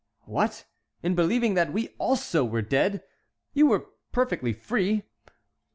"What? In believing that we also were dead? You were perfectly free."